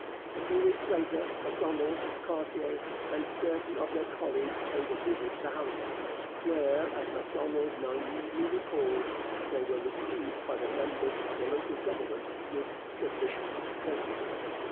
A few weeks later Macdonald, Cartier, and certain of their colleagues paid a visit to Halifax, where, as Macdonald naïvely records, they were received by the members of the local government with 'sufficient courtesy.'